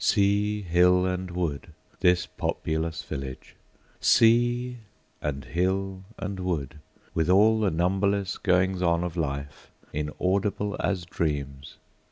Sea, hill, and wood, This populous village! Sea, and hill, and wood, With all the numberless goings on of life, Inaudible as dreams!